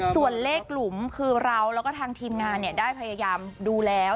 ส่วนเลขหลุมคือเราแล้วก็ทางทีมงานได้พยายามดูแล้ว